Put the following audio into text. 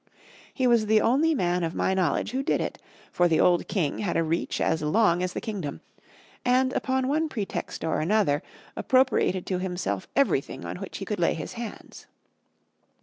He was the only man of my knowledge who did it; for the old king had a reach as long as the kingdom, and, upon one pretext or another, appropriated to himself everything on which he could lay his hands.